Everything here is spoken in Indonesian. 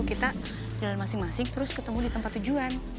kita jalan masing masing terus ketemu di tempat tujuan